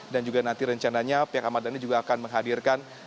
dan juga nanti rencananya pihak ahmad dhani juga akan menghadirkan